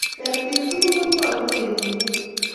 Ketiik tugul konyolu koguiyo.